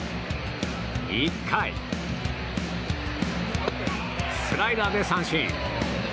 １回、スライダーで三振。